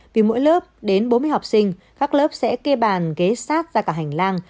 vì mỗi lớp đến bốn mươi học sinh các lớp sẽ kê bàn ghế sát ra cả hành lang